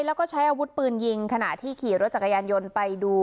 แล้วก็ใช้อาวุธปืนยิงขณะที่ขี่รถจักรยานยนต์ไปดู